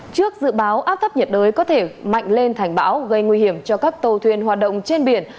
trước dự báo áp thấp nhiệt đới có thể mạnh lên thành bão gây nguy hiểm cho các tàu thuyền hoạt động trên biển